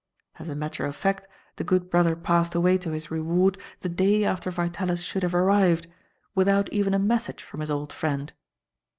As a matter of fact, the good brother passed away to his reward the day after Vitalis should have arrived, without even a message from his old friend.